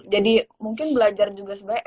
jadi mungkin belajar juga sebenarnya